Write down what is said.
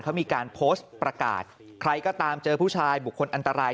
เขามีการโพสต์ประกาศใครก็ตามเจอผู้ชายบุคคลอันตราย